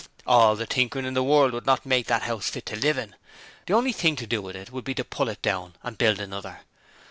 All the tinkering in the world would not make that house fit to live in; the only thing to do with it would be to pull it down and build another.